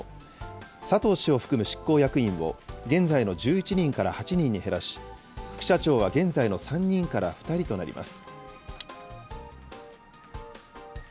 佐藤氏を含む執行役員を、現在の１１人から８人に減らし、副社長は現在の３人から２人となります。